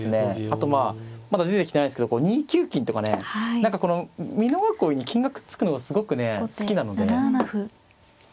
あとまあまだ出てきてないですけど２九金とかね何かこの美濃囲いに金がくっつくのがすごくね好きなので。